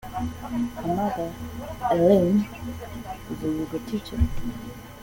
Her mother, Elaine, is a yoga teacher.